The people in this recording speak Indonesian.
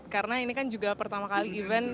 karena ini kan juga pertama kali event